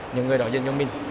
những người đã dân cho mình